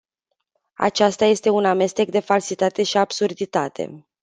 Aceasta este un amestec de falsitate și absurditate.